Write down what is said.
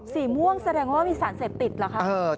สีม่วงแสดงว่ามีสารเสพติดเหรอคะ